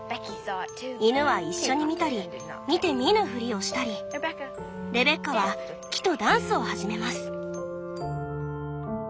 犬は一緒に見たり見て見ぬふりをしたりレベッカは木とダンスを始めます」。